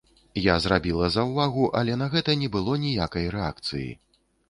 Я зрабіла заўвагу, але на гэта не было ніякай рэакцыі.